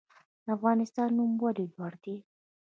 د افغانستان نوم ولې لوړ دی؟